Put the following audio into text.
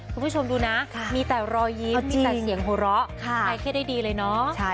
คุณผู้ชมดูนะมีแต่รอยยิ้มมีแต่เสียงหัวเราะใครเครียดได้ดีเลยเนาะ